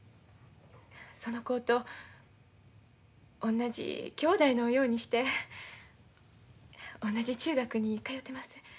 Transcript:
その子と同じ兄弟のようにして同じ中学に通ってます。